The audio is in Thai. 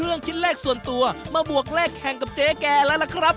เรื่องชิ้นแรกส่วนตัวมาบวกแรกแข่งกับเจ๊แก่แล้วล่ะครับ